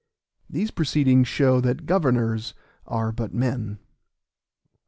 These proceedings show that governors are but men.